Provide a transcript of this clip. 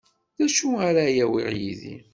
D acu ara awiɣ yid-i.